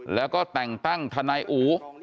แล้วก็แต่งตั้งทนายอู